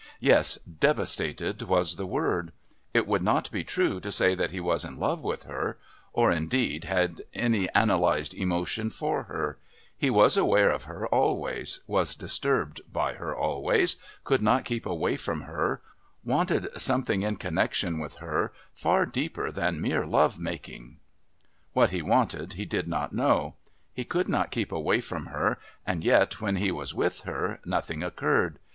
Yes. devastated was the word. It would not be true to say that he was in love with her or, indeed, had any analysed emotion for her he was aware of her always, was disturbed by her always, could not keep away from her, wanted something in connection with her far deeper than mere love making What he wanted he did not know. He could not keep away from her, and yet when he was with her nothing occurred.